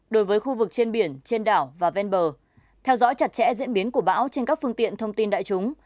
đối với khu vực trên biển trên đảo và ven bờ theo dõi chặt chẽ diễn biến của bão trên các phương tiện thông tin đại chúng